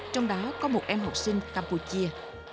trong đó có một em học sinh campuchia